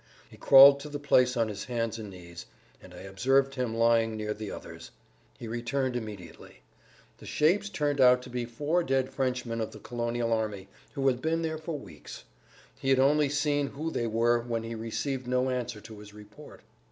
He crawled to the place on his hands and knees, and I observed him lying near the others. He returned immediately. The shapes turned out to be four dead Frenchmen of the colonial army, who had been there for weeks. He had only seen who they were when he received no answer to his report.